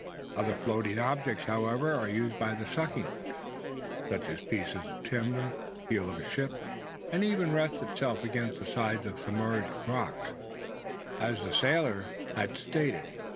Other floating objects, however, are used by the sucking fish, such as pieces of timber, the keel of a ship; and it even rests itself against the sides of submerged rocks, as the sailor had stated.